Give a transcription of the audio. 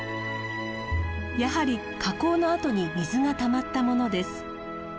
やはり火口の跡に水がたまったものです。